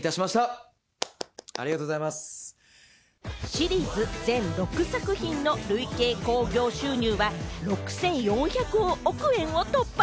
シリーズ全６作品の累計興行収入は６４００億円を突破。